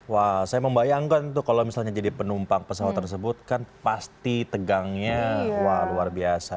wah saya membayangkan tuh kalau misalnya jadi penumpang pesawat tersebut kan pasti tegangnya wah luar biasa